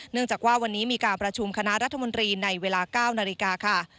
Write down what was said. จากว่าวันนี้มีการประชุมคณะรัฐมนตรีในเวลา๙นาฬิกาค่ะ